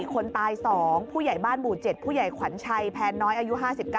คนตาย๒ผู้ใหญ่บ้านหมู่๗ผู้ใหญ่ขวัญชัยแพนน้อยอายุ๕๙